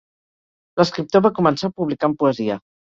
L'escriptor va començar publicant poesia.